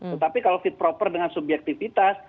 tetapi kalau fit proper dengan subjektivitas